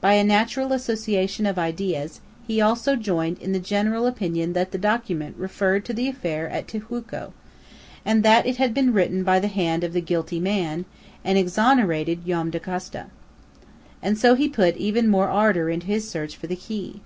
By a natural association of ideas, he also joined in the general opinion that the document referred to the affair at Tijuco, and that it had been written by the hand of the guilty man, and exonerated Joam Dacosta. And so he put even more ardor into his search for the key.